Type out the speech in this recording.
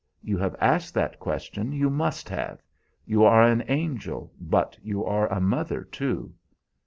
You have asked that question, you must have. You are an angel, but you are a mother, too."